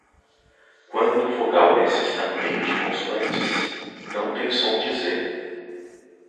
Quando vogal S está no meio de consoantes, não tem som de Z